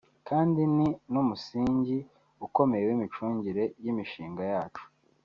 kandi ni n’umusingi ukomeye w’imicungire y’imishinga yacu